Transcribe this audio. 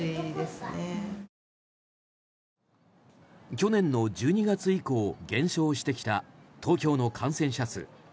去年の１２月以降減少してきた東京の感染者数。